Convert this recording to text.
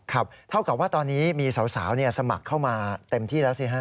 เท่ากับว่าตอนนี้มีสาวสมัครเข้ามาเต็มที่แล้วสิฮะ